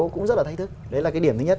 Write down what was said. cũng rất là thách thức đấy là cái điểm thứ nhất